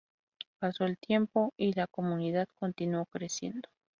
Pasó el tiempo y la comunidad continuó creciendo.